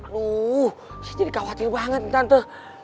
wuh saya jadi khawatir banget tante